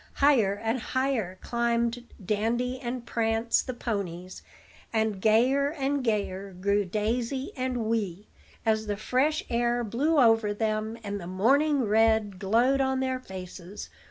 Higher and higher climbed Dandy and Prance, the ponies; and gayer and gayer grew Daisy and Wee, as the fresh air blew over them, and the morning red glowed on their faces.